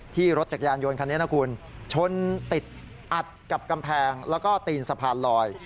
รถจักรยานยนต์คันนี้นะคุณชนติดอัดกับกำแพงแล้วก็ตีนสะพานลอย